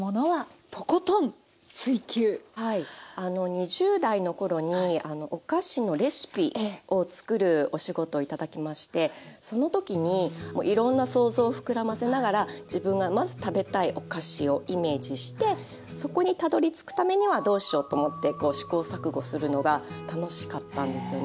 ２０代の頃にお菓子のレシピを作るお仕事を頂きましてその時にいろんな想像を膨らませながら自分がまず食べたいお菓子をイメージしてそこにたどりつくためにはどうしようと思って試行錯誤するのが楽しかったんですよね。